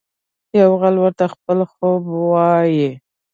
یو غل ورته خپل خوب وايي.